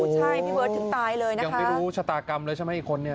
ใช่พี่เบิร์ตถึงตายเลยนะคะยังไม่รู้ชะตากรรมเลยใช่ไหมอีกคนเนี่ย